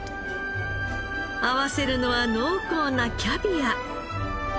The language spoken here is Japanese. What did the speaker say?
合わせるのは濃厚なキャビア。